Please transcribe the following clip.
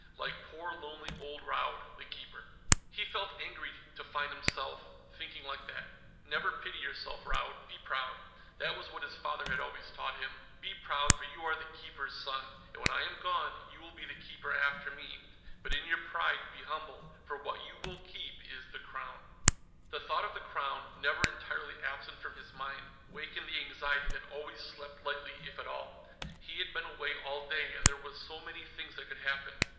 Like poor lonely old Raud the Keeper. He felt angry to find himself thinking like that. Never pity yourself, Raud; be proud. That was what his father had always taught him: "Be proud, for you are the Keeper's son, and when I am gone, you will be the Keeper after me. But in your pride, be humble, for what you will keep is the Crown." The thought of the Crown, never entirely absent from his mind, wakened the anxiety that always slept lightly if at all. He had been away all day, and there were so many things that could happen.